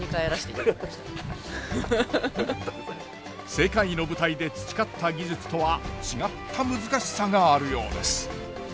世界の舞台で培った技術とは違った難しさがあるようです。